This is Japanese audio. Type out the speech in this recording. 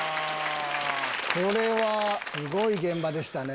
これはすごい現場でしたね。